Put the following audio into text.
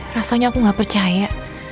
rasanya aku gak percaya